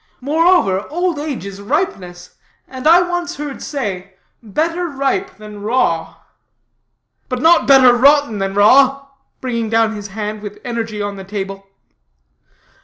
Moreover, old age is ripeness, and I once heard say, 'Better ripe than raw.'" "But not better rotten than raw!" bringing down his hand with energy on the table.